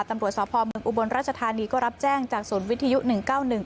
ตำรวจสพเมืองอุบลราชธานีก็รับแจ้งจากศูนย์วิทยุหนึ่งเก้าหนึ่ง